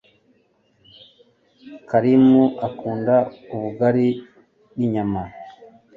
karimu akunda ubugari ninyama